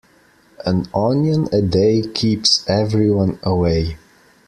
An onion a day keeps everyone away.